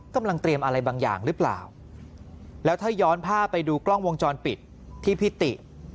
กำลังเตรียมอะไรบางอย่างหรือเปล่าแล้วถ้าย้อนภาพไปดูกล้องวงจรปิดที่พิติ